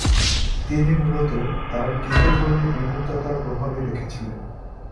তিনি মূলত তার গীতধর্মী বিমূর্ততার প্রভাবই রেখেছিলেন।